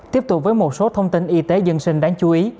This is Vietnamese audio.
tiếp tục với một số thông tin y tế dân sinh đáng chú ý